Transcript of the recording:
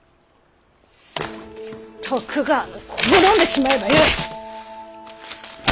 徳川など滅んでしまえばよい！